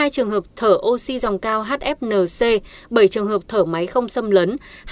một mươi hai trường hợp thở oxy dòng cao hfnc bảy trường hợp thở máy không xâm lấn